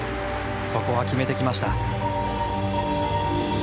ここは決めてきました。